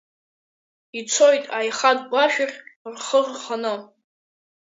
Ицоит аихатә гәашәахь рхы рханы…